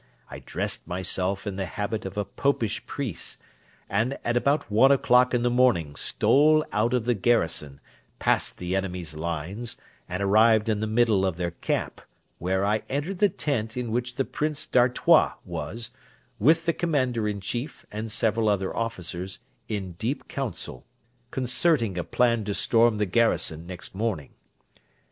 I dressed myself in the habit of a Popish priest, and at about one o'clock in the morning stole out of the garrison, passed the enemy's lines, and arrived in the middle of their camp, where I entered the tent in which the Prince d'Artois was, with the commander in chief, and several other officers, in deep council, concerting a plan to storm the garrison next morning.